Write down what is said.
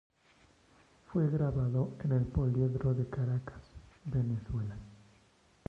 Fue grabado en El Poliedro de Caracas, Venezuela.